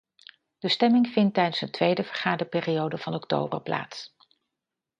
De stemming vindt tijdens de tweede vergaderperiode van oktober plaats.